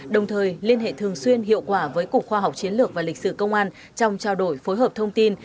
đồng thời liên hệ thường xuyên hiệu quả với cục khoa học chiến lược và lịch sử công an trong trao đổi phối hợp thông tin